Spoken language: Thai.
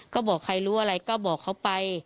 ก็บอกใครรู้อะไรก็บอกเขาไป